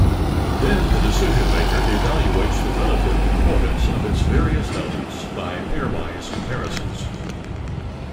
Then the decision-maker evaluates the relative importance of its various elements by pairwise comparisons.